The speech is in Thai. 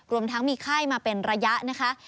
รวมทั้งมีไข้มาเป็นระยะนะคะ